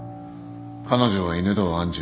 彼女は犬堂愛珠。